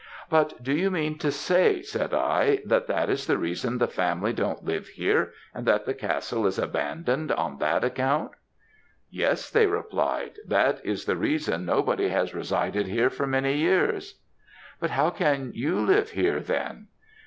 'But do you mean to say,' said I, 'that that is the reason the family don't live here, and that the castle is abandoned on that account?' "'Yes,' they replied, 'that is the reason nobody has resided here for many years.' "'But how can you live here then?'